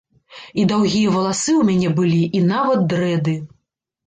І даўгія валасы ў мяне былі, і нават дрэды.